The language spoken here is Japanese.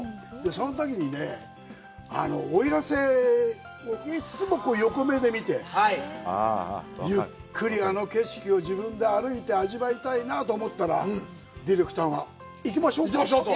そのときにね、奥入瀬をいつも横目で見て、ゆっくりあの景色を自分で歩いて味わいたいなと思ったら、ディレクターが行きましょうかと。